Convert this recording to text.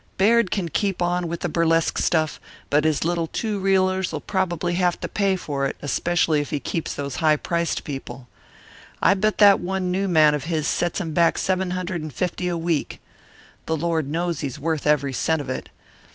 "Baird can keep on with the burlesque stuff, but his little old two reelers'll probably have to pay for it, especially if he keeps those high priced people. I'll bet that one new man of his sets him back seven hundred and fifty a week. The Lord knows he's worth every cent of it.